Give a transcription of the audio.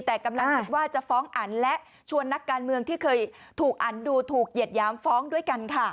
แต่กำลังคิดว่าจะฟ้องอันและชวนนักการเมืองที่เคยถูกอันดูถูกเหยียดหยามฟ้องด้วยกันค่ะ